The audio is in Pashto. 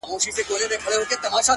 خپل مسیر د ارزښتونو پر بنسټ وټاکئ